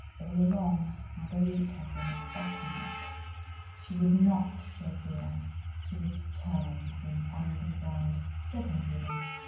All along, Marguerite had been expecting it; she would not show fear, she was determined to seem unconcerned, flippant even.